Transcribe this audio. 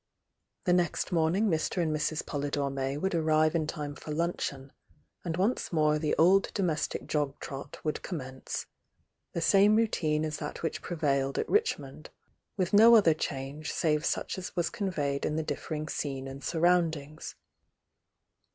The next morning Mr. and Mrs. Poly dore May would arrive in time for luncheon, and once more the old domestic jog trot would com mence, — the same routine as that which prevailed at Richmond, with no other change save such as was conveyed in the differing scene and surround ings.